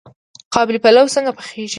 قابلي پلاو څنګه پخیږي؟